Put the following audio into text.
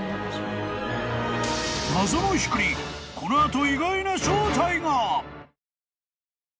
［謎の光この後］